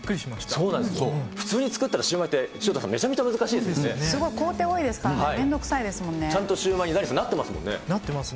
そうなんです、普通に作ったらシューマイって、潮田さん、めちゃめちゃ難しいですごい工程多いですからね、ちゃんとシューマイになってなってますね。